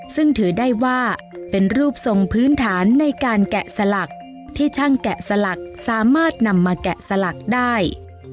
ซึ่งถือได้ว่าเป็นรูปทรงพื้นฐานในการแกะสลักที่ช่างแกะสลักสามารถนำมาแกะสลักได้